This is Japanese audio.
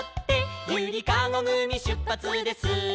「ゆりかごぐみしゅっぱつです」